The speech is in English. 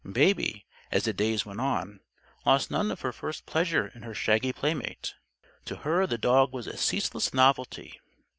Baby, as the days went on, lost none of her first pleasure in her shaggy playmate. To her, the dog was a ceaseless novelty.